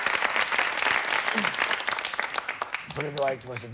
それではいきましょう。